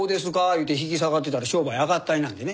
言うて引き下がってたら商売あがったりなんでね。